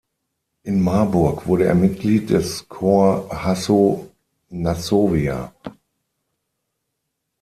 In Marburg wurde er Mitglied des Corps Hasso-Nassovia.